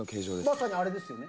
まさにあれですよね。